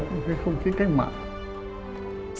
cái không khí cách mạng